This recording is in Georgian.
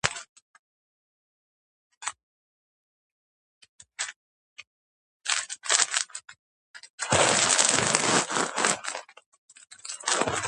ერთვის ინდოეთის ოკეანეს.